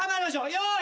用意。